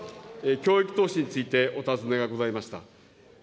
教育投資についてお尋ねがございました。